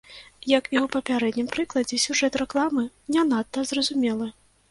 Як у папярэднім прыкладзе, сюжэт рэкламы не надта зразумелы.